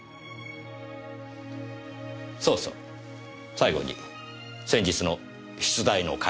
そうそう最後に先日の出題の回答を。